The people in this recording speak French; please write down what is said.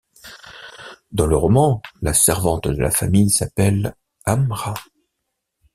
Dans le roman, la servante de la famille s'appelle Amrah.